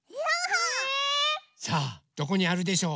え⁉さあどこにあるでしょう？